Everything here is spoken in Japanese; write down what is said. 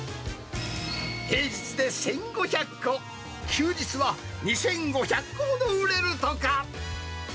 平日で１５００個、休日は２５００個ほど売れるとか。